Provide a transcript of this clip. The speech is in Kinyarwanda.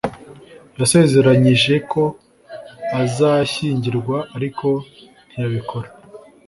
yasezeranyije ko azashyingirwa, ariko ntiyabikora